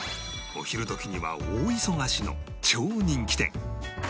お昼時には大忙しの超人気店